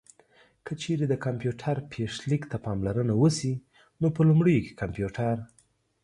که چېرې د کمپيوټر پيښليک ته پاملرنه وشي نو په لومړيو کې کمپيوټر